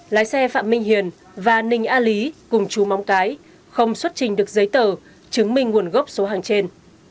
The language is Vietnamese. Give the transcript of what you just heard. lái xe phạm minh hiền và ninh a lý cùng chú móng cái không xuất trình được giấy tờ chứng minh nguồn gốc số hàng trên